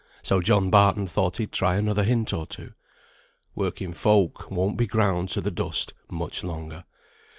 So John Barton thought he'd try another hint or two. "Working folk won't be ground to the dust much longer.